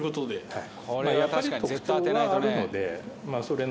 はい。